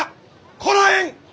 こらえん！